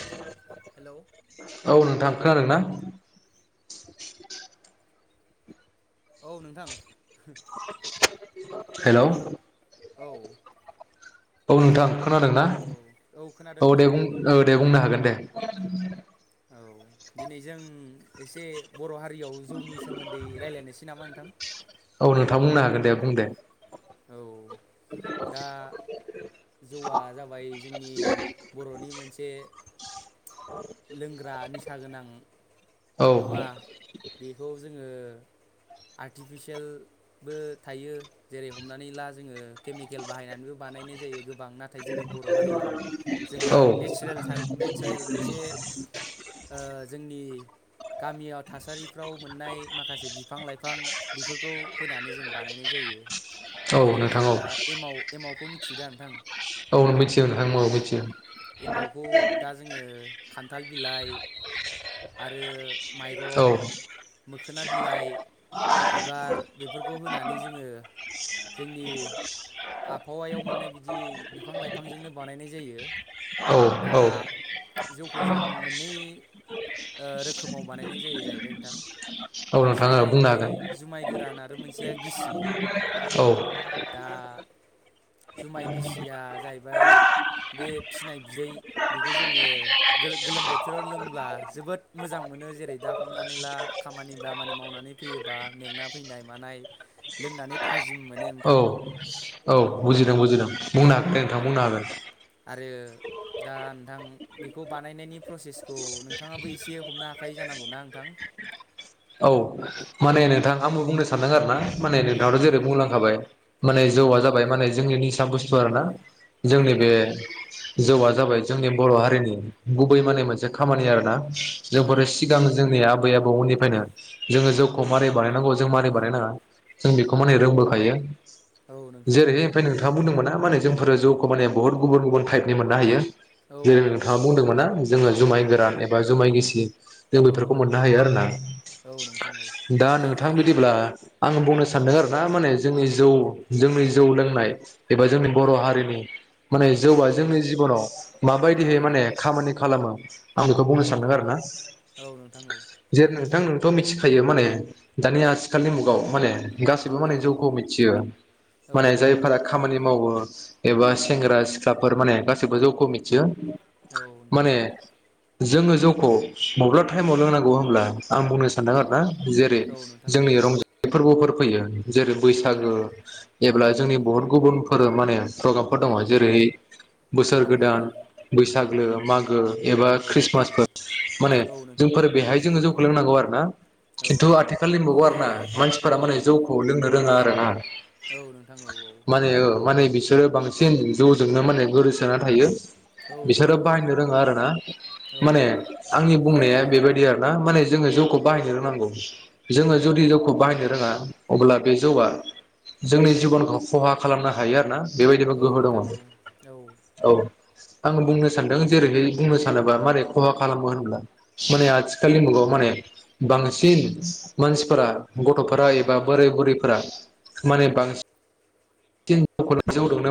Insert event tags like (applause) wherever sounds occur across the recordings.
(inaudible) Hello (inaudible) औ नोंथां खोनादों ना? औ नोंथां हेलौ औ औ नोंथां खोनादों ना औ खोनादों औ दे नोंथां बुं ओ दे बुंनो हागोन दे (inaudible) औ दिनै जों एसे बर' हारि रियाव जौनि सोमोन्दै रायलायनोसै नामा नोंथां? औ नोंथां बुंनो दे बुं दे औ दा जौआ जाबाय जोंनि बर'नि मोनसे लोंग्रा निस था गोनां औ मुवा बेखौ जोङो आर्टिफिसियेलबो थायो जेरै हमनानै ला जोङो केमिकेल बाहायनानैबो बानायनाय जायो गोब बां नाथाय जोंनि बर' हारियाव जोंहा औ नेचेरेल थार नेचारेल मोनसे ओ जोंनि गामियाव थासारिफ्राव मोननाय माखासे बिफां लाइफां बेफोरखौ होनानै जों बानायनाय जायो। औ जेरै नोंथां जों औ दा एमाव-एमाव खौ मिथ थिदा नोंथां। औ मिथियो नोंथां औ मिथियो एमावखौ दा जोङो खान्थाल बिलाइ आरो औ माइरं मोखोना बिलाइ बिबार बेफोरखौ होनानै जोङो जोंनि आबहावायाव मोननाय बिदि बिफां लाइफांजोंनो बानायनाय जायो औ दा औ जौखौ जों मोननै ओ रोखोमाव बानायनाय जायो जाहैबाय नोंथां औ नोंथां मोनसेया बुंनो जाहैबाय हागोन जुमाय गोरान आ दा औ जुमाय गिसिया जाहैबाय बे फिनाय बिदै बेखौ जोङो गोलो-गोलोम बोथोराव लोंब्ला जोबोद मोजां मोनो जेरै दा हमनानै ला खामानि दामानि मावनानै फैयोबा मेंना फैनाय मानाय लोंनानै था औ औ बुजिदों बुजिदों बुंनो हागोन औ दे नोंथां बुंनो हागोन आरो दा नोंथां बेखौ बानायनायनि प्रसेसखौ नोंथाङाबो एसे हमनो हाखायो जानांगौ ना नोंथां औ औ माने नोंथां आंबो बुंनो सानदों आरो ना माने औ नोंथाङाथ जेरै बुंलांखाबाय माने औ जौआ जाबाय माने (unintelligible) निसा बुस्थु आरो ना औ जोंनि बे नोंथां औ जौआ जाबाय जोंनि बर हारिनि गुबै माने मोनसे खामानि आरोना औ जोंफोरो सिगां जोंनिया आबै आ बौनिफ्रायनो जोङो जौखौ मारै बानायनांगौ जों मारै बानायनाङा जों बेखौ माने रोंबोखायो औ नोंथां औ जेरैहाय ओमफ्राय नोंथाङा बुंदोंमोन ना मा होनो जोंफोर जौखौ माने बहुत गुबुन गुबुन टाइपनि मोननो हायो औ औ जेरै नोंथाङा नोंथां बुंदोंमोन ना जोङो औ जुमाय नोंथां गोरान एबा जुमाय गिसि जों औ बेफोरखौ मोननो हायो आरो ना औ नोंथां औ थां बिदिब्ला आं बुंनो सानदों आरो ना माने जोंनि जौ जोंनि जौ लोंनाय एबा जोंनि बर हारिनि माने औ जौआ जोंनि जिबनाव औ माबायदियै माने खामानि खालामो (inaudible) आं बेखौ बुंनो औ सानदों आरोना औ नोंथां औ जेर नों (unintelligible) थ मिथिखायो माने दानि आथिखालनि मुगायाव माने गासैबो औ माने जौखौ मिथियो औ माने नोंथां औ जायफोरा खामानि मावो एबा औ सेंग्रा सिख्लाफोर माने गा गासिबो जौखौ मिथियो औ नोंथां माने जोङो जौखौ माब्ला टाइमाव लोंनांगौ होनब्ला आं (unintelligible) उम आरोना जेरै औ नोंथां औ जोंनि रंजानाय फोरबोफोर फैयो जेरै औ बैसागो जेब्ला जोंनि बहुत गुबुनफोर माने प्रग्रामफोर औ दङ' जेरै बोसोर गोदान मागोफोर औ बैसागो मागो एबा औ नोंथां औ खृस्टमासफोर माने औ नोंथां औ जोंफोर बेहाय जोङो जौ सोलोंनांगौ आरो ना औ खिन्थु नोंथां आथिखालनि मुगायाव आरो ना मानसिफोरा औ माने जौखौ लोंनो रोङा (unintelligible) औ नोंथां औ औ माने माने बिसोरो बांसिन जौजोंनो माने गोदोसोना थायो। औ औ बिसोरो नोंथां औ बायनो रोङा आरोना औ माने नोंथां आंनि बुंनाया बेबायदि आरो ना माने जोङो जौखौ। बाहायनो रोंनांगौ जोङो जुदि जौखौ बाहायनो रोङा अब्ला बे जौआ जोंनि जिबनखौ खहा खालामनो हायो आरो ना। बेबायदिबो औ गोहो दङ' नोंथां औ औ औ आं बुंनो सानदों जेरैहाय बुंनो सानोबा मारै खहा खालामो होनब्ला माने आथिखालनि मुगायाव माने बांसिन मानसिफोरा गथ'फोरा एबा बोराय बुरैफोरा माने बांसि (unintelligible)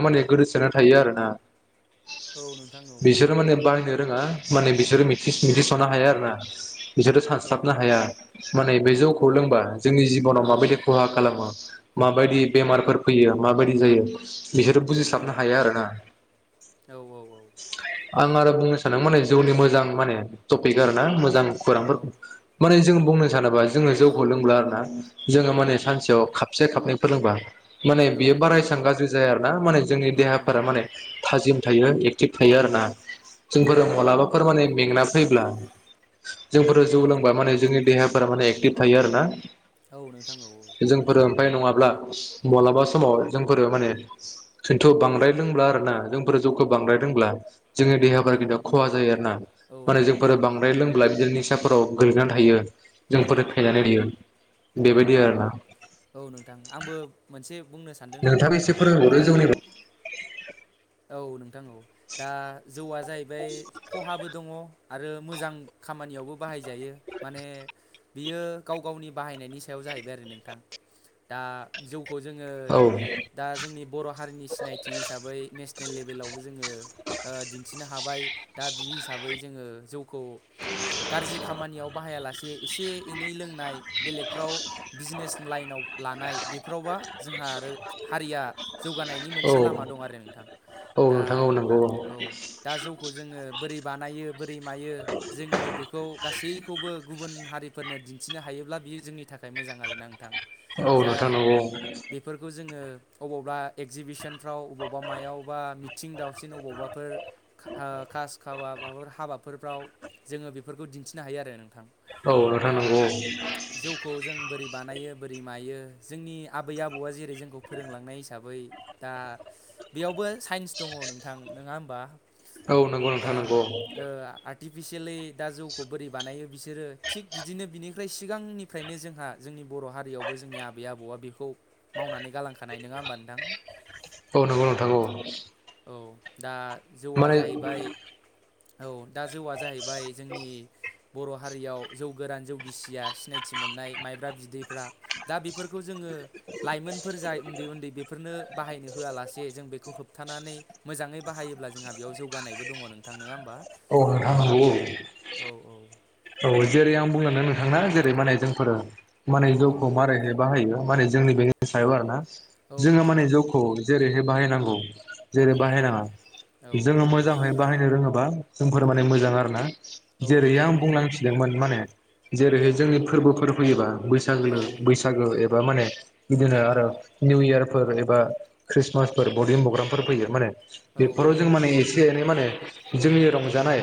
माने गोदोसोना थायो आरोना औ नोंथां औ बिसोरो माने बाहायनो रोङा माने बिसोरो मि (unintelligible) औ मिथिस'नो हाया आरो ना बिसोरो सानस्लाबनो हाया नोंथां माने बे औ जौखौ लोंबा जोंनि जिबनाव माबायदि खहा खालामो माबायदि बेमारफोर फैयो माबायदि जायो बिसोरो बुजिस्लाबनो हाया आरोना नोंथां औ औ आं आरो बुंनो सानो माने जौनि मोजां माने टपिक आरो ना मो औ खौरांफोरखौ माने जों बुंनो सानोबा जोंङो जौखौ लोंला आरोना जोङो औ माने औ सानसेयाव खाबसे खाबनैफोर लोंबा औ बियो बारा एबां गाज्रि जाया आरोना माने जोंनि देहाफोरा नोंथां औ माने थाजिम थायो एक्टिभ थायो आरो ना। औ जोंफोर माबलाबाफोर माने मेंना जैब्ला जोंफोर औ जौ लोंबा माने जोंनि देहा थारमाने एटिभ थायो आरो ना। औ नोंथां औ औ। नङाब मलाबा समाव जोंफोरो माने सोंन्थ' बांद्राय लोंब्ला आरो ना जोंफोरो जौखौ बांद्राय लोंब्ला जोंनि देहाफोरा खिन्थु खहा जायो आरो ना औ माने नोंथां औ जोंफोर औ बांद्राय लोंब्ला बिदि निसाफोराव गोगलैना थायो। औ जोंफोर फेनानै थायो औ बेबायदि आरोना औ नोंथां आंबो मोनसे बुंनो सानदों नोंथां नोंथाङा एसे दा फोरोंहरदो जौनि औ नों नांगौ दा जौआ जाहैबाय खहाबो दङ आरो मोजां खामानियावबो बाहायजायो माने बियो गाव गावनि बाहायनायनि सायाव जाहैबाय आरो नोंथां दा जौ खौ जोङो औ दा जोंनि बर' हारिनि सिनायथि हिसाबै नेस जोङो दिन्थिनो हाबाय दा बि हिसाबै जोङो जौखौ गाज्रि खामानियाव बाहायालासे एसे एनै लोंनाय बेलेगफ्राव बिजनेस लाइनाव लानाय बेफोरावबा जोंहा आरो हारिया जौगानायनि औ मोनसे लामा दं आरो नोंथां औ दा नोंथां औ नंगौ औ दा जौखौ जोङो बोरै बानायो बोरै मायो जोङो बेखौ गासैखौबो गुबुन हारिफोरनो दिन्थिनो हायोब्ला बियो जोंनि थाखाय थाखाय मोजां आरो ना आांथां औ औ जा नोंथां नंगौ बेफोरखौ जोङो अबावबा एगजिबिसनफ्राव अबावबा मायाव। बबावबा मिथिं दावसिन अबावबाफोर खास खाबा माबाफोर हाबाफोरफ्राव जोङो बेफोरखौ दिन्थिनो हायो आरो थां औ औ नोंथां दा नंगौ जौखौ जों बोरै बानायो बोरै मायो जोंनि आबै आबौआ जेरै जोंखौ फोरोंलांनाय हिसाबै दा साइन्स दङ नोंथां नङा होमबा औ नंगौ दा नोंथां नंगौ आर्ट आर्टिफिसियेलि दा जौखौ बोरै बानायो बिसोरो थिग बिदिनो बिनिफ्राय सिगांनिफ्रायनो जोंहा जोंनि बर' हारियावबो जोंनि आबै आबौआ बेखौ मावनानै गालांखानाय नङा होमबा नोंथां। औ नंगौ (inaudible) औ दा जौआ माने जाहैबाय औ दा जौआ जाहैबाय जोंनि बर' हारियाव जौ गोरान जौगिसिया सिनायथि मोननाय माइब्रा बि दैफ्रा दा बेफोरखौ जोङो लाइमोन फोर जाय उन्दै उन्दै बेफोरनो बाहायनो होआलासे जों बे खौ होबथानानै मोजाङै बाहायोब्ला जोंहा बेयाव जौगानायबो दङ नोंथां नङा होमबा? औ नोंथां नंगौ। औ औ औ जेरै आं बुंनानो नोंथांआ जेरै माने जोंफोरो माने औ जौखौ मारैहाय बाहायो माने जोंनि बेनि सायाव आरोना। औ जोङो नोंथां माने औ जौखौ जेरैह बाहायनांगौ। जेरै औ बाहायनाङा औ जोङो मोजाङै बाहायनो रोङोबा जोंफोर माने मोजां आरोना। औ नोंथां औ। मिदोंमोन माने जेरैहाय जोंनि फोरबोफोर फैयोबा औ बैसागो बैसागो एबा माने बिदिनो उम आरो निउ इयार फोर एबा खृष्टमासफोर बदि मग्रामफोर फैयो माने औ औ बेफोराव जों माने नोंथां औ एसे एनै माने जोंनि रंजानाय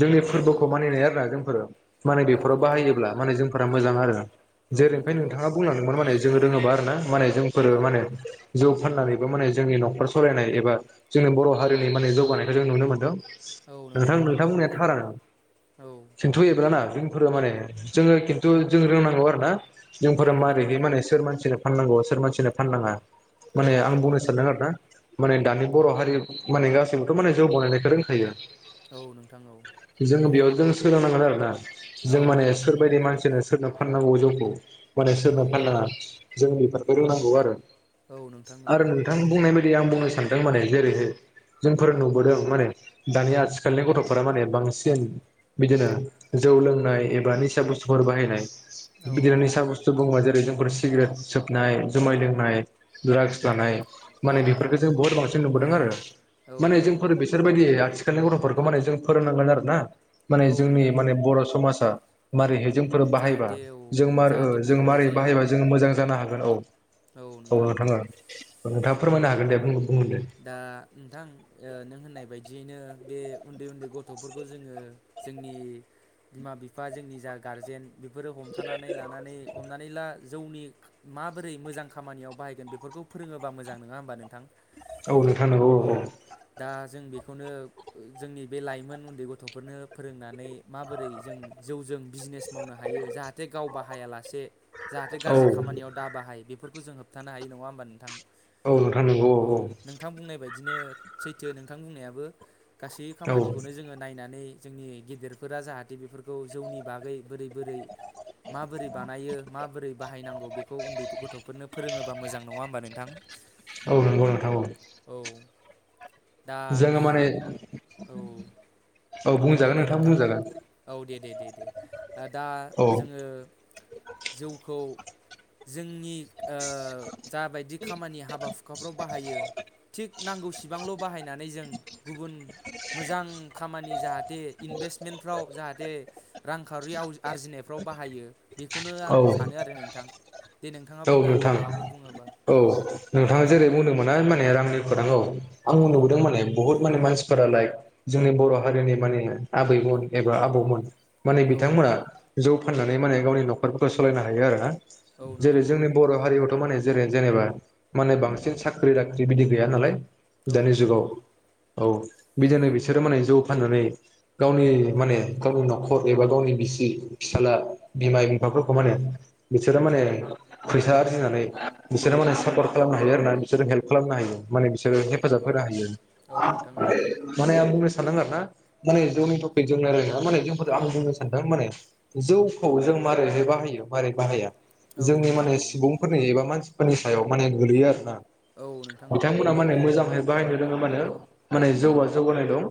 जोंनि औ फोरबोखौ मानिनाय आरोना जोंफोरो। माने औ बेफोराव नोंथां औ बाहायोब्ला माने जोंफोरा औ मोजां आरो औ जेरैनिफ्राय नोंथां औ नोंथाङा औ बुंलांदोंमोन माने जोङो रोङोबा आरोना। माने जोंफोरो औ माने जौ फाननानैबो माने जोंनि न'खर सलायनाय एबा जोंनि बर' हारिनि माने जौगानायखौ जों नुनो मोन्दों। औ नोंथां औ नोंथांमोननिया थारआ औ सोंथ' जोंफोर माने जोङो खिन्थु जों रोंनांगौ आरोना। औ जोंफोरा नोंथां औ मारैहाय माने सोर मानसिनो‌ फाननांगौ सोर मानसिनो फाननाङा औ माने आं नोंथां औ बुंनो सानदों आरोना माने दानि बर' हारि माने गासैबोथ' माने जौ बानायनायखौ रोंखायो। औ नोंथां औ जों बेयाव जों सोलोंनांगोन आरो। जों माने औ नोंथां सोरबायदि मानसिनो सोरनो फाननांगौ जौखौ माने औ सोरनो फाननाङा जों बेफो बेखौ रोंनांगौ आरो। नोंथां आरो नोंथां बुंनायबायदि आं बुंनो सानदों माने जेरैहाय जोंफोर नुबोदों माने दानि आथिखालनि गथ'फोरा माने बांसिन बिदिनो जौ लोंनाय एबा निसा बुस्थुफोर बाहायनाय औ बिगियाननि सा नोंथां औ बुस्थु बुंबा जेरै जोंफोर सिगारेट सोबनाय, जुमाय लोंनाय द्राग्स उम लानाय औ माने नोंथां बेफोरखौ औ जों बहुत बांसिन नुबोदों आरो। औ माने नोंथां जोंफोर बेसोरबायदि आथिखाल आथिखालनि गथ'फोरखौ माने जों फोरोंनांगोन आरो ना? औ माने जोंनि नोंथां माने औ बर' समाजा मारैहाय जोंफोर बाहायबा जाहाथे औ जों औ मार जाहाथे जों गुबुंले मारै जाया बाहायबा जों मोजां जानो हागोन औ। औ नोंथां औ। नोंथां फोरमायनो हागोन दे बुं दा नोंथां, नों होननाय बायदि बिदियैनो बे उन्दै उन्दै गथ'फोरखौ जोङो जोंनि बिमा बिफा जोंनि जा गारजेन बेफोरो हमथानानै लानानै हमनानै ला जौनि माबोरै मोजां खामानियाव बाहायगोन बेफोरखौ फोरोङोबा मोजां नङा होनबा नोंथां? औ नोंथां नंगौ औ औ। दा जों बेखौनो जोंनि बे लाइमोन उन्दै गथ'फोरनो फोरोंनानै माबोरै जों जौजों बिजनेस मावनो हायो जाहाथे गाव बाहायालासे जाहाथे औ गाज्रि खामानियाव दा बाहाय बेफोरखौ जोङो थानो हायो नङा होमबा नोंथां? औ ओ आ नोंगौ औ औ बिदिनो सैथो नोंथां बुंनायाबो गासै औ खामानिखौनो जोङो नायनानै जोंनि गेदेरफोरा जाहाथे बेफोरखौ जौनि बागै बोरै बोरै माबोरै बानायो माबोरै बाहायनांगौ बेखौ उन्दै गथफोरनो फोरोङोबा मोजां नङा होमबा नोंथां बि औ दा जोङो माने औ औ दे नोंथां औ दे दे दे दे दा औ जोङो जौखौ जोंनि ओ जाबायदि खामानि हाबा हुखाफ्राव बाहायो थिग नांगौसिबांल बाहायनानै जों गुबुन मोजां खामानि जाहाथ दि इनभेस्टमेन्टफ्राव जाहाथे रांखावरियाव आरजिनायफ्राव बाहायो बेखौनो आं औ सानो आरो नोंथां दे नोंथाङा औ बुंनो हागोन नोंथां माबाफोर बुङोबा मा माने रांनिखौ नांगौ औ आं नुबोदों माने बहुत माने मानसिफोरा लाइक जोंनि बर हारिनि माने आबैमोन एबा आबौमोन माने औ बिथांमोना जौ फाननानै माने गावनि नखरफोरखौ सलायनो हायो आरो ना औ जेरै नोंथां औ जोंनि बर हारियावथ माने जेरै जेनेबा माने बांसिन साख्रि दाख्रि बिदि गैया नालाय औ दानि नोंथां जुगाव औ औ बिदिनो बिसोरो माने जौ फाननानै गावनि माने गावनि नखर एबा गावनि बिसि फिसाला एबा बिफाफोरखौ माने बिसोरो फिसाला बिमा बिफामाखौ बिसोरो माने पैसा आरजिनानै होनोफैसा आरजिनानै बिसोरो माने सापर्ट खालामनो हायो आरो ना बिसोरो हेल्प खालामनो हायो माने औ बिसोरो नोंथां हेफाजाब औ होनो औ नोंथां औ होयो माने आं बुंनो सा सानदों आरो ना माने जौनि टपिक जों नायोना माने जों आं बुंनो सानदों माने जौखौ जों मारैह बाहायो मारै बाहाया औ जोंनि नोंथां माने औ सुबुंफोरनि एबा मानसि फोरनि सायाव माने गोगलैयो आरो ना औ नोंथां औ बिथांमोना माने मोजांहाय बाहायनो रोङोबानो माने जौआ जौगानाय दं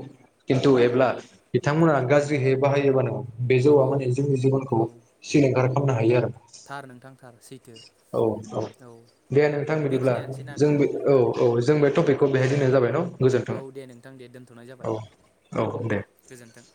किन्थु औ एब्ला बिथांमोना गाज्रिहै बाहायोबा नंगौ बेजौ औ (unintelligible) जोंनि जिबनखौ औ सिलिंखार खालामनो हायो आरो थार नोंथां थार सैथो औ औ दे नोंथां बिदिब्ला बेखिनियानोसै ना जों नोंथां औ औ जोंबाय टपिकखौ बेहाय होननाय जाबाय न' गोजोन्थों औ दे नोंथां दे दोन्थ'नाय जाबाय औ औ दे गोजोन्थों